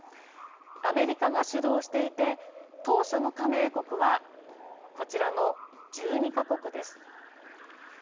アメリカが主導していて、当初の加盟国はこちらの１２か国です。